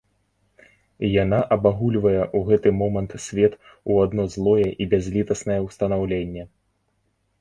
Яна абагульвае ў гэты момант свет у адно злое і бязлітаснае ўстанаўленне.